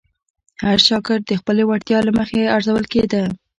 هر شاګرد د خپلې وړتیا له مخې ارزول کېده.